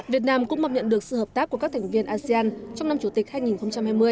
việt nam cũng mong nhận được sự hợp tác của các thành viên asean trong năm chủ tịch hai nghìn hai mươi